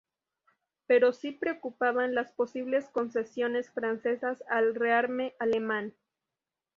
Pero sí preocupaban las posibles concesiones francesas al rearme alemán.